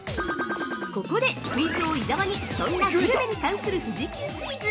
◆ここでクイズ王・伊沢にそんなグルメに関する富士急クイズ！